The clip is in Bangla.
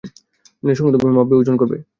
ন্যায়সংগতভাবে মাপবে ও ওজন করবে।